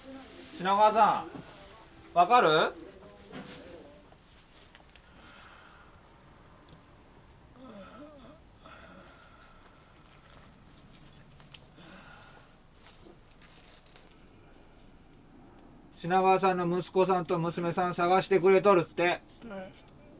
品川さんの息子さんと娘さん探してくれとるって。